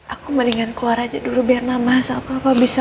aku mendingan keluar aja dulu biar papa bisa ngobrol baik baik ya